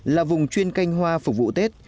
là vùng chuyên canh hoa phục vụ tết